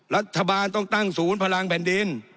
รัฐบาลต้องตั้งศูนย์พลังแผ่นดิน